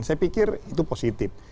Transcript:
saya pikir itu positif